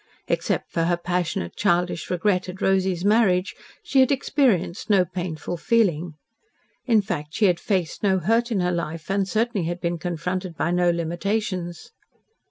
Except for her passionate childish regret at Rosy's marriage, she had experienced no painful feeling. In fact, she had faced no hurt in her life, and certainly had been confronted by no limitations.